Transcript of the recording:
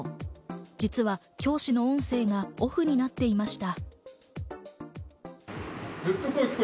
実は教師の音声がオフになっていました。